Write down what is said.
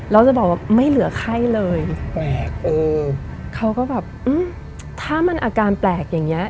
แล้วจะบอกว่าไม่เหลือไข้เลยแปลกเออเขาก็แบบอืมถ้ามันอาการแปลกอย่างเงี้